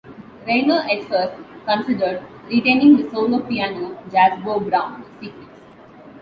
Reiner at first considered retaining the solo piano "Jazzbo Brown" sequence.